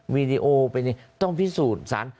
วีดีโอเป็นอย่างนี้ต้องพิสูจน์